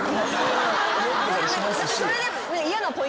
それで。